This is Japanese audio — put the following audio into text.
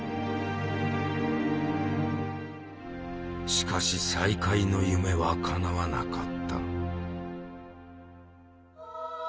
しかし再会の夢はかなわなかった。